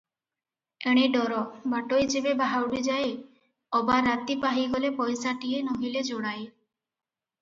ଏଣେ ଡର, ବାଟୋଇ ଯେବେ ବାହୁଡ଼ିଯାଏ, ଅବା ରାତି ପାହିଗଲେ ପଇସାଟିଏ ନୋହିଲେ ଯୋଡ଼ାଏ ।